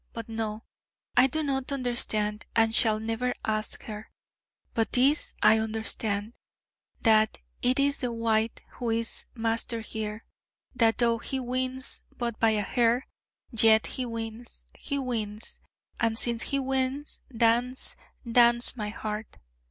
But no, I do not understand, and shall never ask her. But this I understand: that it is the White who is Master here: that though he wins but by a hair, yet he wins, he wins: and since he wins, dance, dance, my heart.